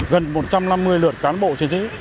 gần một trăm năm mươi lượt cán bộ chiến sĩ